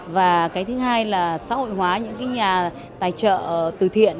và thứ hai là xã hội hóa những nhà tài trợ từ thiện